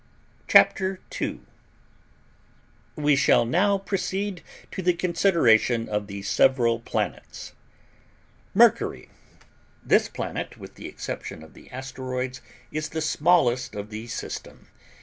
CHAPTER II We shall now proceed to the consideration of the several planets. MERCURY This planet, with the exception of the asteroids, is the smallest of the system.